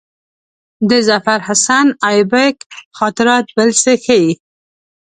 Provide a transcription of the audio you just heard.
د ظفرحسن آیبک خاطرات بل څه ښيي.